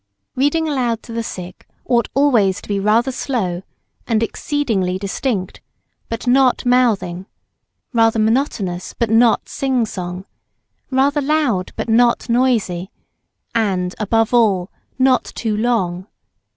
Reading aloud to the sick ought always to be rather slow, and exceedingly distinct, but not mouthing rather monotonous, but not sing song rather loud but not noisy and, above all, not too long.